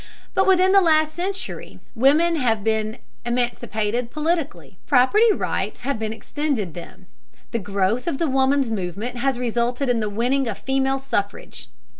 But within the last century women have been emancipated politically. Property rights have been extended them; the growth of the woman's movement has resulted in the winning of female suffrage.